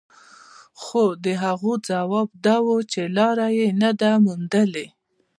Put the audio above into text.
خو د هغوی ځواب دا و چې لاره يې نه ده موندلې.